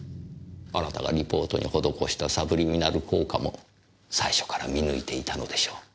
あなたがリポートに施したサブリミナル効果も最初から見抜いていたのでしょう。